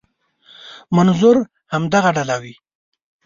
منظور همدغه ډله وي.